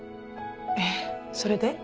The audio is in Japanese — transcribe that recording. えっそれで？